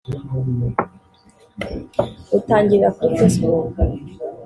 utangirira kuri Facebook